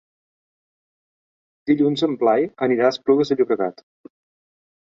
Dilluns en Blai anirà a Esplugues de Llobregat.